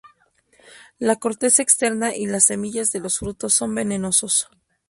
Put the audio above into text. La corteza externa y las semillas de los frutos son venenosos.